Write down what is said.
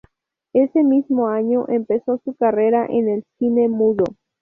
Ese mismo año empezó su carrera en el cine mudo.